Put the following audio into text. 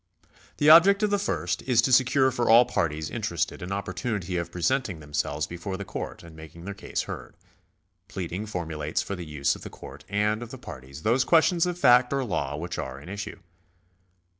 The object of the first is to secure for all parties interested an opportunity of presenting themselves before the court and making their case heard. Pleading formulates for the use of the court and of the parties those questions of fact or law which are in issue.